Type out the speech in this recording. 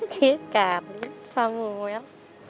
kak rin samuel